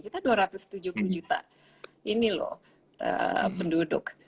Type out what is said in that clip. kita dua ratus tujuh puluh juta ini loh penduduk